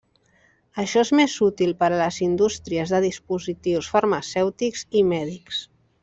Això és més útil per a les indústries de dispositius farmacèutics i mèdics.